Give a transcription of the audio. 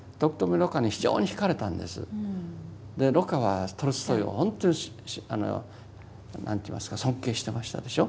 蘆花はトルストイを本当に何て言いますか尊敬してましたでしょう。